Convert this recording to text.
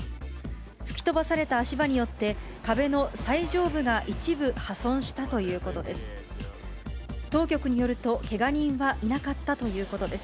吹き飛ばされた足場によって、壁の最上部が一部破損したということです。